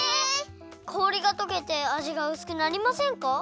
氷がとけてあじがうすくなりませんか？